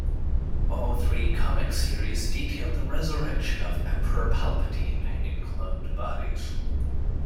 All three comic series detail the resurrection of Emperor Palpatine in cloned bodies.